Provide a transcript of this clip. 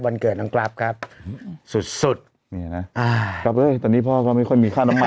เกิดน้องกราฟครับสุดสุดนี่นะอ่ากราฟเอ้ยตอนนี้พ่อก็ไม่ค่อยมีค่าน้ำมัน